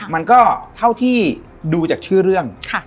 มันก็เท่าที่ดูจากชื่อเรื่อง